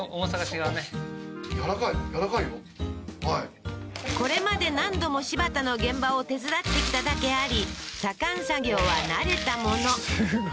はいこれまで何度も柴田の現場を手伝ってきただけあり左官作業は慣れたもの